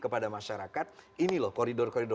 kepada masyarakat ini loh koridor koridor